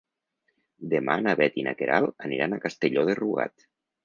Demà na Bet i na Queralt aniran a Castelló de Rugat.